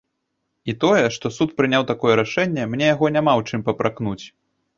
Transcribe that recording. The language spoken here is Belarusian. І тое, што суд прыняў такое рашэнне, мне яго няма ў чым папракнуць.